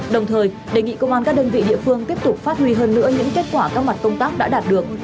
đồng thời đề nghị công an các đơn vị địa phương tiếp tục phát huy hơn nữa những kết quả các mặt công tác đã đạt được